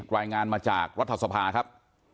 รายงานมาจากรัฐสภาครับ